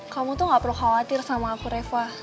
kamu tuh gak perlu khawatir sama aku reva